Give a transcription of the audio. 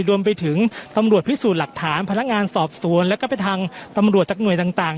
รวมไปถึงตำรวจพิสูจน์หลักฐานพนักงานสอบสวนแล้วก็ไปทางตำรวจจากหน่วยต่าง